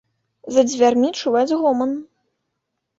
За дзвярмі чуваць гоман.